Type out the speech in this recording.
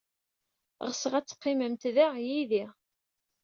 Ɣseɣ ad teqqimemt da, yid-i.